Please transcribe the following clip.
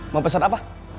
mau pesan apa